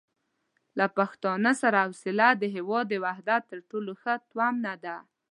له پښتانه سره حوصله د هېواد د وحدت تر ټولو ښه تومنه ده.